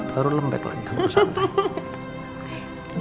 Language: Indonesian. baru lembek lagi baru santai